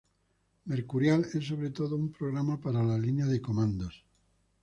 Mercurial es, sobre todo, un programa para la línea de comandos.